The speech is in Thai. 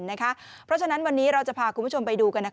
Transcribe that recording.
เพราะฉะนั้นวันนี้เราจะพาคุณผู้ชมไปดูกัน